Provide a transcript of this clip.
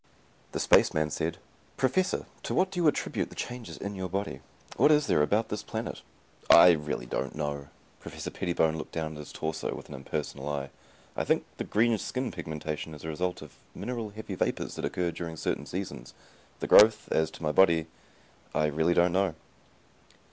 The space man said, "Professor to what do you attribute the changes in your body. What is there about this planet ?" "I really don't know." Professor Pettibone looked down his torso with an impersonal eye. "I think the greenish skin pigmentation is a result of mineral heavy vapors that occur during certain seasons. The growth. As to my body I really don't know."